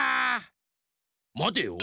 まてよ。